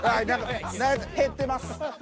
だいぶ減ってます。